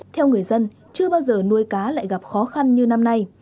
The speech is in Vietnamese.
theo người dân chưa bao giờ nuôi cá lại gặp khó khăn như năm nay